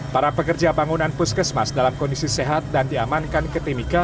para pekerja bangunan puskesmas dalam kondisi sehat dan diamankan ke timika